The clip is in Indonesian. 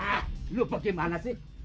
hah lu bagaimana sih